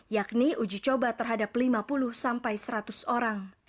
yakni uji coba terhadap lima puluh sampai seratus orang